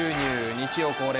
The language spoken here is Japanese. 日曜恒例